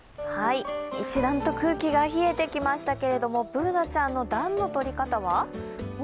一段と空気が冷えてきましたけれども、Ｂｏｏｎａちゃんの暖のとり方は？